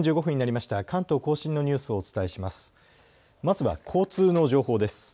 まずは交通の情報です。